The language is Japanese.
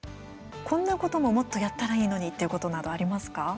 こんなことももっとやったらいいのにということなどありますか？